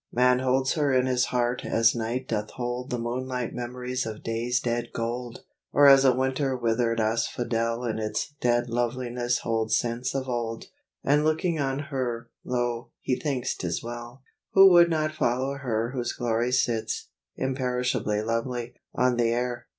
Man holds her in his heart as night doth hold The moonlight memories of day's dead gold; Or as a winter withered asphodel In its dead loveliness holds scents of old. And looking on her, lo, he thinks 'tis well. Who would not follow her whose glory sits, Imperishably lovely, on the air?